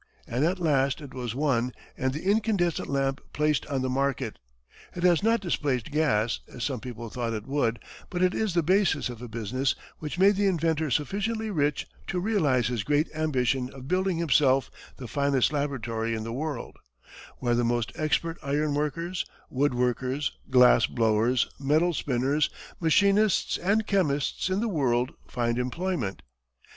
And at last it was won, and the incandescent lamp placed on the market. It has not displaced gas, as some people thought it would, but it is the basis of a business which made the inventor sufficiently rich to realize his great ambition of building himself the finest laboratory in the world; where the most expert iron workers, wood workers, glass blowers, metal spinners, machinists and chemists in the world find employment.